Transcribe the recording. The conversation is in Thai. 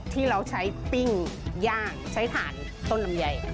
ที่เราใช้ปิ้งย่างใช้ถ่านต้นลำไย